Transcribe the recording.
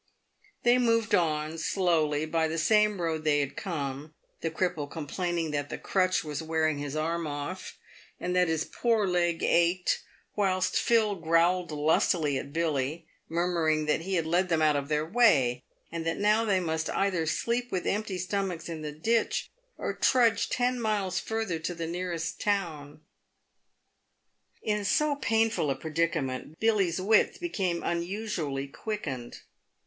284 PAVED WITH GOLD. They moved on slowly by the same road they had come, the cripple complaining that the crutch was wearing his arm off, and that his Eoor leg ached, whilst Phil growled lustily at Billy, murmuring that e had led them out of their w r ay, and that now they must either sleep with empty stomachs in the ditch, or trudge ten miles further to the nearest town. In so painful a predicament, Billy's wits became unusually quick ened.